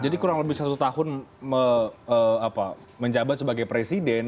jadi kurang lebih satu tahun menjabat sebagai presiden